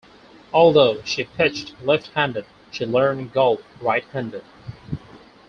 Although she pitched left-handed, she learned golf right-handed.